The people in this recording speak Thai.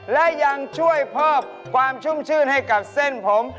และยังช่วยเพิ่มความชุ่มชื่นให้กับเส้นผม